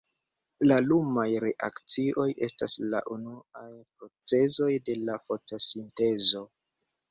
La lumaj reakcioj estas la unuaj procezoj de la fotosintezo.